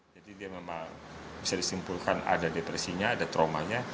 jadi dia memang bisa disimpulkan ada depresinya ada traumanya